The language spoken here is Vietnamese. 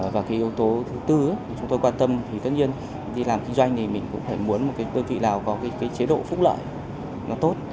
và yếu tố thứ tư chúng tôi quan tâm thì tất nhiên đi làm kinh doanh mình cũng phải muốn một đơn vị nào có chế độ phúc lợi tốt